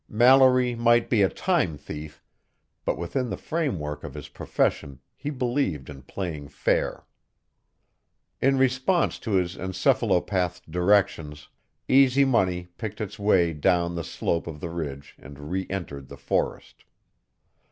Mallory might be a time thief; but within the framework of his profession he believed in playing fair. In response to his encephalopathed directions, Easy Money picked its way down the slope of the ridge and re entered the forest.